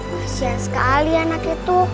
masih sekali anak itu